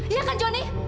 iya kan jonny